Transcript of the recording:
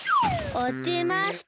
おちました。